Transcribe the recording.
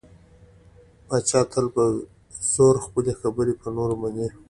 پاچا تل په زور خپلې خبرې په نورو مني .